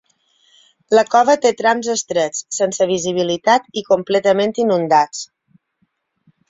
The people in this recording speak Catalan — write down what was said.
La cova té trams estrets, sense visibilitat i completament inundats.